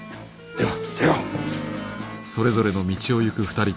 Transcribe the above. では。